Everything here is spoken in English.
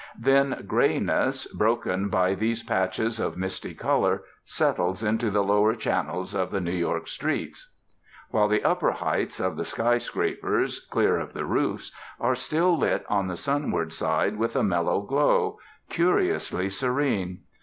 Then greyness, broken by these patches of misty colour, settles into the lower channels of the New York streets; while the upper heights of the sky scrapers, clear of the roofs, are still lit on the sunward side with a mellow glow, curiously serene.